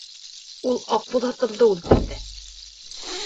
Ул Аҡбуҙатымды үлтерҙе!